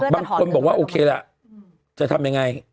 บางคนบอกว่าโอเคล่ะจะทำยังไง